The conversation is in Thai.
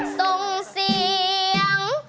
ทรงเสียง